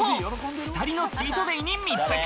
２人のチートデイに密着。